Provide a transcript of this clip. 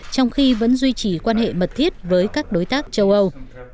trong khi vẫn duy trì quan hệ mật thiết với các đối tác châu âu